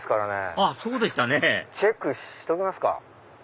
あっそうでしたねチェックしときますか。